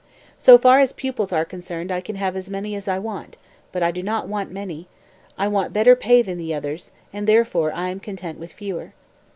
So far as pupils are concerned I can have as many as I want; but I do not want many; I want better pay than the others, and therefore I am content with fewer.